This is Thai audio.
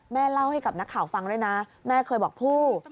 เล่าให้กับนักข่าวฟังด้วยนะแม่เคยบอกผู้